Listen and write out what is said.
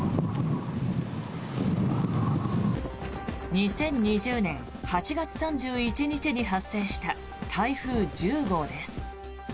２０２０年８月３１日に発生した台風１０号です。